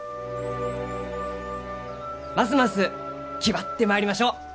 ますます気張ってまいりましょう！